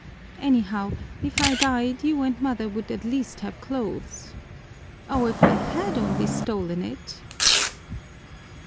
Anyhow, if I died you and mother would at least have clothes. Oh, if I had only stolen it!"